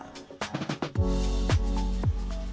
sedangkan untuk dendeng ikan dijual rp dua ratus per kilogram